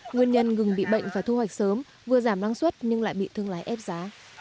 nguyên nhân gừng bị bệnh phải thu hoạch sớm vừa giảm lăng suất nhưng lại bị thương lái ép giá